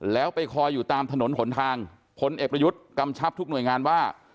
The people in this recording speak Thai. แล้วไปคอยอยู่ตามถนนหนทางพลเอกประยุทธ์กำชับทุกหน่วยงานว่า